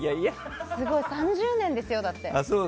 すごい、３０年ですよ、だって。